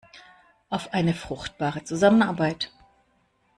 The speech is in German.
Auf eine fruchtbare Zusammenarbeit!